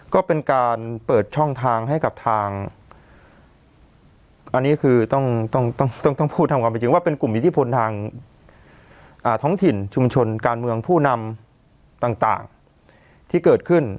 ก็เป็นการเปิดช่องทางให้กับทางอันนี้คือต้องต้องพูดทำความเป็นจริงว่าเป็นกลุ่มอิทธิพลทางท้องถิ่นชุมชนการเมืองผู้นำต่างที่เกิดขึ้น